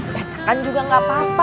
petakan juga nggak apa apa